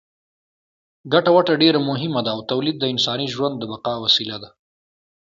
ګټه وټه ډېره مهمه ده او تولید د انساني ژوند د بقا وسیله ده.